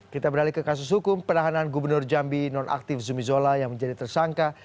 kita beralih ke kasus hukum penahanan gubernur jambi nonaktif zumi zola yang menjadi tersangka